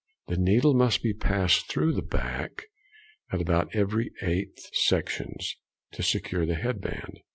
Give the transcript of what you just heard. The needle must be passed through the back at about every eight sections to secure the head band.